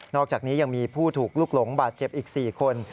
อกจากนี้ยังมีผู้ถูกลุกหลงบาดเจ็บอีก๔คน